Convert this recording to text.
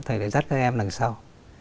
thầy lại dắt các em lần sau